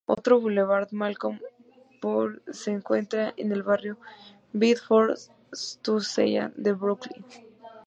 Otro Boulevard Malcolm X se encuentra en el barrio Bedford-Stuyvesant de Brooklyn.